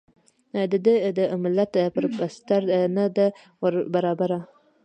د ده د ملت پر بستر نه ده وربرابره.